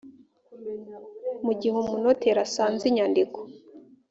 mu gihe umunoteri asanze inyandiko